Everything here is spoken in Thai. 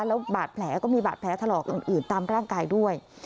แล้วบาดแผลก็มีบาดแผลถลอกอื่นตามร่างกายด้วย